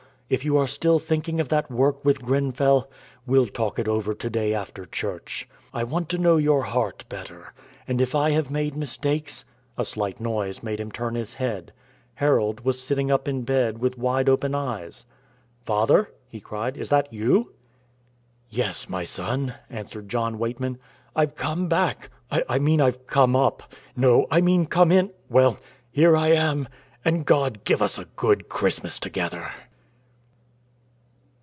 If you are still thinking of that work with Grenfell, we'll talk it over to day after church. I want to know your heart better; and if I have made mistakes " A slight noise made him turn his head. Harold was sitting up in bed with wide open eyes. "Father!" he cried, "is that you?" "Yes, my son," answered John Weightman; "I've come back I mean I've come up no, I mean come in well, here I am, and God give us a good Christmas together."